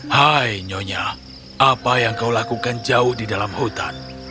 hai nyonya apa yang kau lakukan jauh di dalam hutan